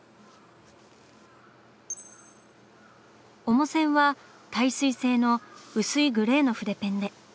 主線は耐水性の薄いグレーの筆ペンで。